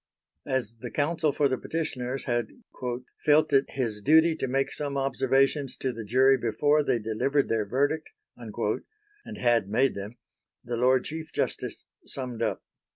As the Counsel for the Petitioners had "felt it his duty to make some observations to the jury before they delivered their verdict," and had made them, the Lord Chief Justice summed up.